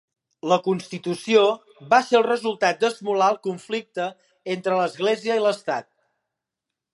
La Constitució va ser el resultat d'esmolar el conflicte entre l'Església i l'Estat.